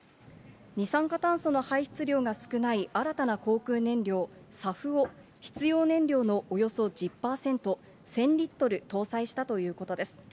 二酸化炭素の排出量が少ない新たな航空燃料、サフを必要燃料のおよそ１０％、１０００リットル搭載したということです。